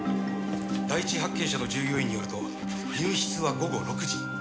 第一発見者の従業員によると入室は午後６時。